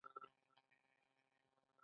خوړل د ستړیا ضد قوت دی